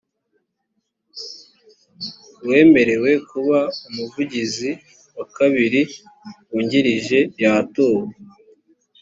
uwemerewe kuba umuvugizi wa kabiri wungirije yatowe